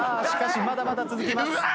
しかしまだまだ続きます。